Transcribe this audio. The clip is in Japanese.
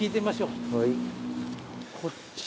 こっち。